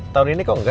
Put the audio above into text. tahun ini kok engga